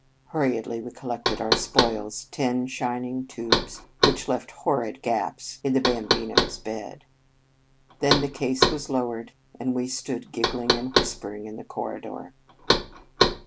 Hurriedly we col lected our spoils, ten shining tubes, which left horrid gaps in the Bam 77 In Our Convent Days bino s bed. Then the case was low ered, and we stood giggling and whis pering in the corridor.